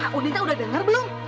kak udin teh udah dengar belum